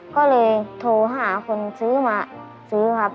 ก็เลยโทรหาคนซื้อมาซื้อครับ